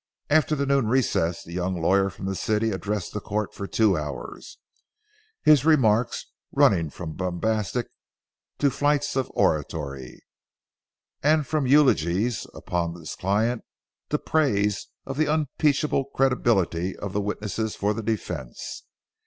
After the noon recess, the young lawyer from the city addressed the court for two hours, his remarks running from bombast to flights of oratory, and from eulogies upon his client to praise of the unimpeachable credibility of the witnesses for the defense.